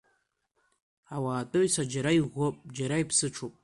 Ауаатәыҩса џьара иӷәӷәоуп, џьара иԥсыҽуп.